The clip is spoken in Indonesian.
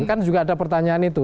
kan juga ada pertanyaan itu